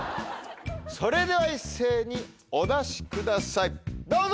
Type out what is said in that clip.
それでは一斉にお出しくださいどうぞ！